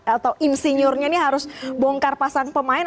atau insinyurnya ini harus bongkar pasang pemain